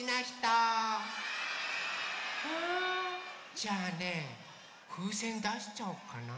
じゃあねふうせんだしちゃおうかな。